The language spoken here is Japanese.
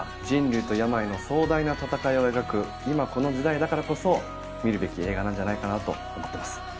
人類と病の壮大な闘いを描く今この時代だからこそ見るべき映画なんじゃないかなと思ってます。